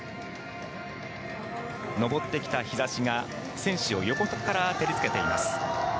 昇ってきた日差しが選手を横から照りつけています。